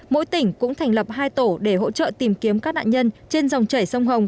mỗi tỉnh cũng thành lập hai tổ để hỗ trợ tìm kiếm các nạn nhân trên dòng chảy sông hồng